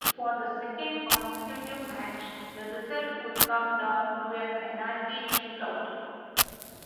For the second consecutive match, the result would come down to a penalty shootout.